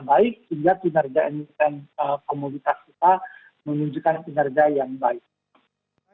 baik sehingga kinerja emiten komoditas kita menunjukkan kinerja ya